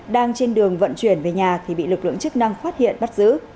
đang trên đường vận chuyển về nhà thì bị lực lượng chức năng phát hiện bắt giữ